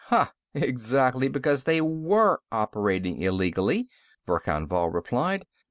"Ha, exactly because they were operating illegally," Verkan Vall replied.